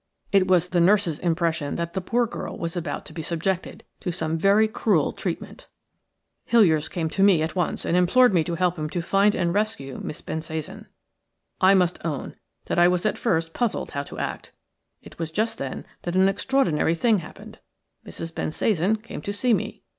It was the nurse's impression that the poor girl was about to be subjected to some very cruel treatment. "LAURA'S OLD NURSE THRUST A NOTE INTO HIS HAND." "Hiliers came to me at once and implored me to help him to find and rescue Miss Bensasan. I must own that I was at first puzzled how to act. It was just then that an extraordinary thing happened. Mrs. Bensasan came to see me.